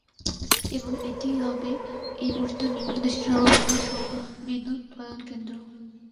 এবং এটিই হবে এই পর্যন্ত নির্মিত দেশের সর্ববৃহৎ সৌর বিদ্যুৎ উৎপাদন কেন্দ্র।